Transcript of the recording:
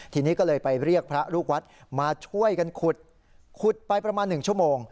ทีนี้ก็เลยไปเรียกพระลูกวัดมาช่วยกันขุดขุดไปประมาณ๑ชั่วโมง